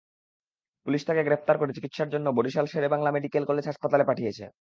Police তাঁকে গ্রেপ্তার করে চিকিৎসার জন্য বরিশাল শেরেবাংলা মেডিকেল কলেজে হাসপাতালে পাঠিয়েছে।